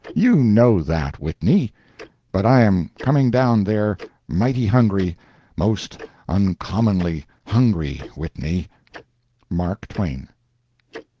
You know that, Whitney. But I am coming down there mighty hungry—most uncommonly hungry, Whitney. MARK TWAIN.